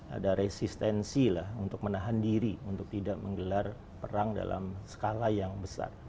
ada resistensi lah untuk menahan diri untuk tidak menggelar perang dalam skala yang besar